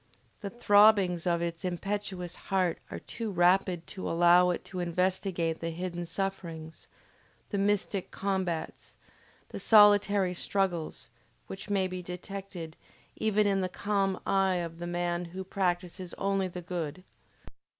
The throbbings of its impetuous heart are too rapid to allow it to investigate the hidden sufferings, the mystic combats, the solitary struggles, which may be detected even in the calm eye of the man who practices only the good.